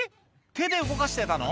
手で動かしてたの？